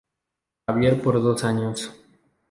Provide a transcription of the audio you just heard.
Xavier por dos años.